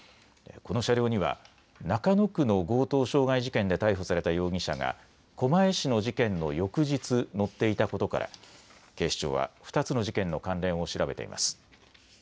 この車両には中野区の強盗傷害事件で逮捕された容疑者が狛江市の事件の翌日乗っていたことから警視庁は２つの事件の関連を調べています。